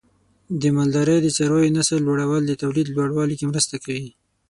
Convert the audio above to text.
د مالدارۍ د څارویو نسل لوړول د تولید لوړوالي کې مرسته کوي.